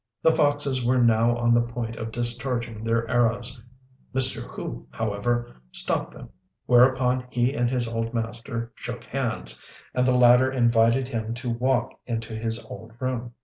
The foxes were now on the point of discharging their arrows; Mr. Hu, however, stopped them; whereupon he and his old master shook hands, and the latter invited him to walk into his old room.